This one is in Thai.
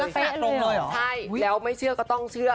เพื่อเป๊ะเลยเหรออุ้ยใช่แล้วไม่เชื่อก็ต้องเชื่อ